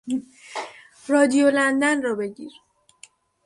رادیو لندن را بگیر!